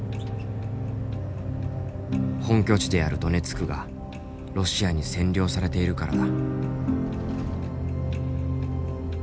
本拠地であるドネツクがロシアに占領されているからだ。